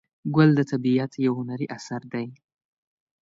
ګل د طبیعت یو هنري اثر دی.